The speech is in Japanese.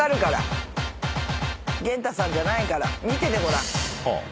源太さんじゃないから見ててごらん。